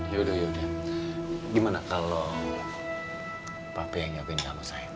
yaudah yaudah gimana kalo papi yang ngapain kamu sayang